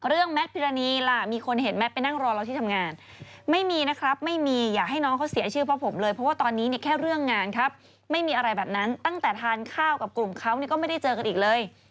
แมทพิรณีล่ะมีคนเห็นแมทไปนั่งรอเราที่ทำงานไม่มีนะครับไม่มีอย่าให้น้องเขาเสียชื่อเพราะผมเลยเพราะว่าตอนนี้เนี่ยแค่เรื่องงานครับไม่มีอะไรแบบนั้นตั้งแต่ทานข้าวกับกลุ่มเขาก็ไม่ได้เจอกันอีกเลย